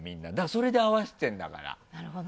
それで合わせてるんだから。